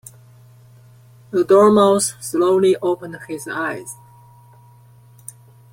The Dormouse slowly opened his eyes.